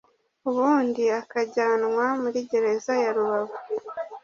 ubundi akajyanwa muri Gereza ya Rubavu